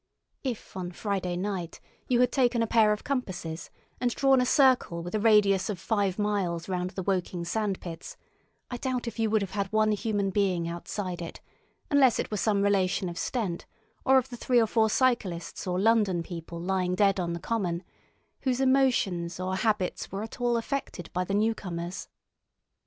If on Friday night you had taken a pair of compasses and drawn a circle with a radius of five miles round the Woking sand pits, I doubt if you would have had one human being outside it, unless it were some relation of Stent or of the three or four cyclists or London people lying dead on the common, whose emotions or habits were at all affected by the new comers.